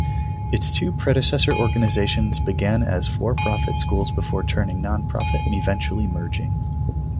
Its two predecessor organizations began as for-profit schools before turning non-profit and eventually merging.